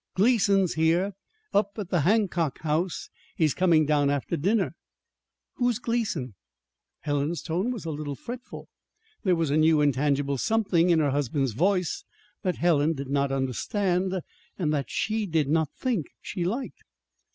"Gleason's here up at the Hancock House. He's coming down after dinner." "Who's Gleason?" Helen's tone was a little fretful there was a new, intangible something in her husband's voice that Helen did not understand, and that she did not think she liked.